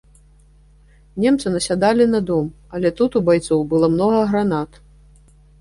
Немцы насядалі на дом, але тут у байцоў было многа гранат.